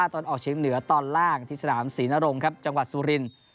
๕ตอนออกชิงเหนือตอนล่างที่สนามศรีนรงค์จังหวัดสุริน